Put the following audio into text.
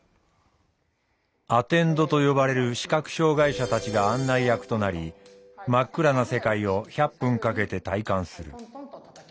アテンドと呼ばれる視覚障害者たちが案内役となり真っ暗な世界を１００分かけて体感する。